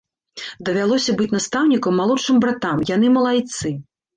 Давялося быць настаўнікам малодшым братам, яны малайцы!